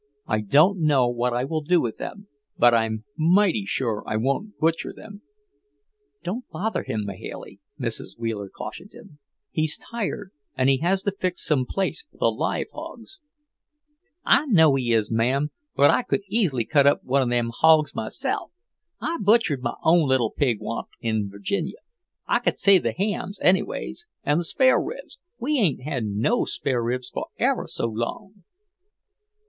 I don't know what I will do with them, but I'm mighty sure I won't butcher them." "Don't bother him, Mahailey," Mrs. Wheeler cautioned her. "He's tired, and he has to fix some place for the live hogs." "I know he is, mam, but I could easy cut up one of them hawgs myself. I butchered my own little pig onct, in Virginia. I could save the hams, anyways, and the spare ribs. We ain't had no spare ribs for ever so long."